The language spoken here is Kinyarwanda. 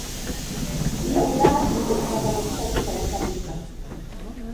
iyo ubirangije ufata amavuta menshi ukayacamutsa